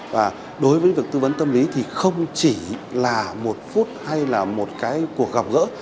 và đối với việc tư vấn tâm lý thì không chỉ là một phút hay là một cái cuộc gặp gỡ